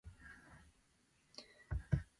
Zakaj sprašuješ?